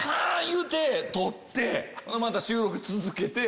いうて取ってまた収録続けて。